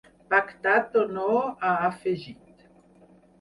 Pactat o no, ha afegit.